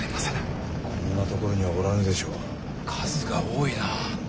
数が多いなあ。